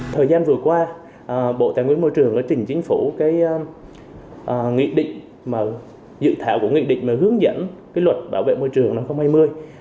thời gian vừa qua bộ tài nguyên môi trường đã chỉnh chính phủ dự thảo của nghị định hướng dẫn luật bảo vệ môi trường năm hai nghìn hai mươi